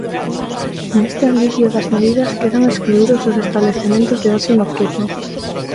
Neste alivio das medidas quedan excluídos os establecementos de ocio nocturno.